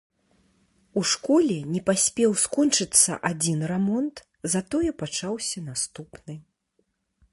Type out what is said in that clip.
У школе не паспеў скончыцца адзін рамонт, затое пачаўся наступны.